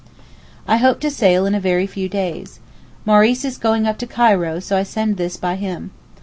I hope to sail in a very few days, Maurice is going up to Cairo so I send this by him.